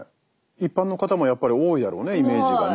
一般の方もやっぱり多いだろうねイメージがね。